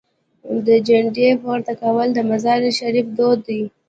د جنډې پورته کول د مزار شریف دود دی.